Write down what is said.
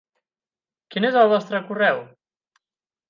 Quin és el vostre correu?